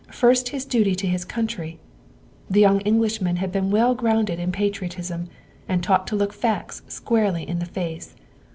First his duty to his country. The young Englishman had been well grounded in patriotism and taught to look facts squarely in the face.